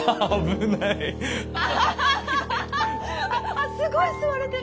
あすごい吸われてる！